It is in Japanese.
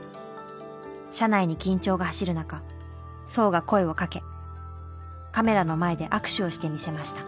車内に緊張が走るなか荘が声をかけカメラの前で握手をして見せました。